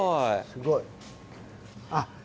すごい。